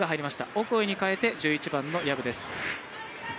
オコエに代えて、１１番の薮です。